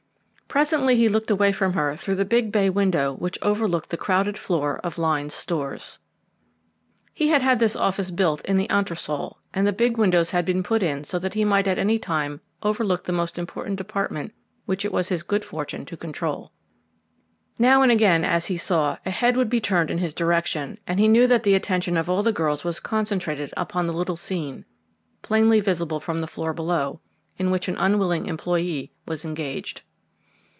Presently he looked away from her through the big bay window which overlooked the crowded floor of Lyne's Stores. He had had this office built in the entresol and the big windows had been put in so that he might at any time overlook the most important department which it was his good fortune to control. Now and again, as he saw, a head would be turned in his direction, and he knew that the attention of all the girls was concentrated upon the little scene, plainly visible from the floor below, in which an unwilling employee was engaged.